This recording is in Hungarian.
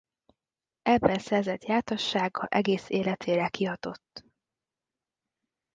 Ebben szerzett jártassága egész életére kihatott.